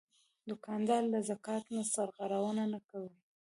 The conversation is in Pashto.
دوکاندار له زکات نه سرغړونه نه کوي.